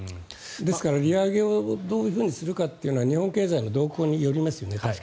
ですから利上げをどうするかというのは日本経済の動向によりますよね。